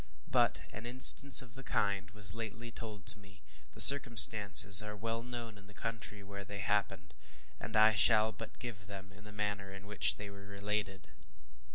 But an instance of the kind was lately told to me; the circumstances are well known in the country where they happened, and I shall but give them in the manner in which they were related.